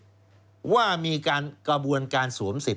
เพราะฉะนั้นคุณมิ้นท์พูดเนี่ยตรงเป้งเลย